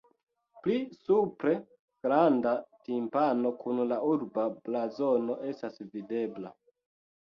Pli supre granda timpano kun la urba blazono estas videbla.